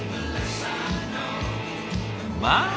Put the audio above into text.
まあ！